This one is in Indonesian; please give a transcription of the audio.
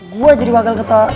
gue jadi wakil ketol